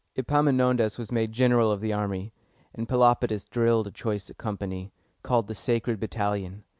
Epaminondas was made general of the army; and Pelopidas drilled a choice company, called the Sacred Battalion.